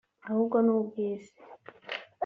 ahubwo ni ubw’isi